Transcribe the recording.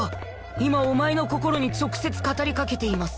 今お前の心に直接語りかけています